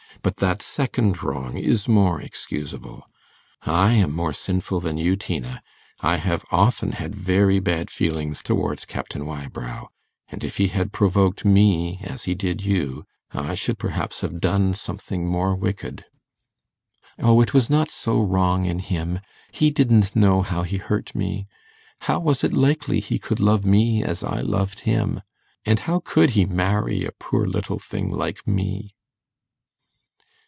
But that second wrong is more excusable. I am more sinful than you, Tina; I have often had very bad feelings towards Captain Wybrow; and if he had provoked me as he did you, I should perhaps have done something more wicked.' 'O, it was not so wrong in him; he didn't know how he hurt me. How was it likely he could love me as I loved him? And how could he marry a poor little thing like me?